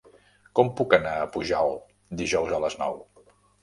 Com puc anar a Pujalt dijous a les nou?